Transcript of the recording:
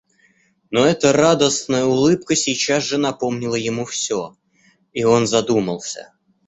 Но эта радостная улыбка сейчас же напомнила ему всё, и он задумался.